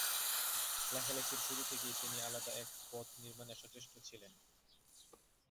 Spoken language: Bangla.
লেখালেখির শুরু থেকেই তিনি আলাদা এক পথ নির্মাণে সচেষ্ট ছিলেন।